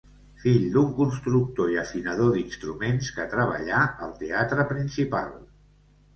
Fill d'un constructor i afinador d'instruments, que treballà al teatre Principal.